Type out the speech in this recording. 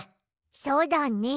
そうだね。